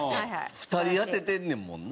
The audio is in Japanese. ２人当ててんねんもんな。